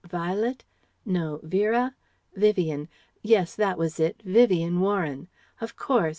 Violet? No, Vera? Vivien yes that was it, Vivien Warren. Of course!